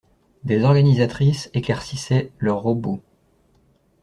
Des organisatrices éclaircissaient leurs robots.